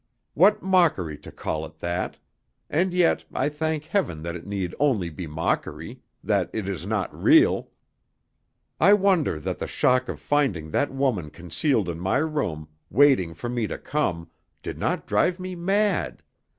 What mockery to call it that; and yet, I thank heaven that it need only be mockery that it is not real. "I wonder that the shock of finding that woman concealed in my room waiting for me to come did not drive me mad.